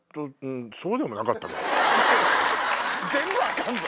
全部アカンぞ！